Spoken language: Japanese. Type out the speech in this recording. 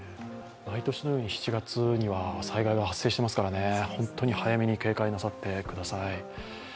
毎年のように７月には災害が発生していますから本当に早めに警戒なさってください。